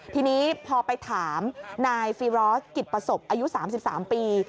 ทีนี้พอไปถามนายฟีรอสกิจประสบอายุ๓๓ปี